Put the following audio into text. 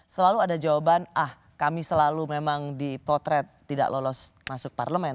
selalu ada jawaban ah kami selalu memang dipotret tidak lolos masuk parlemen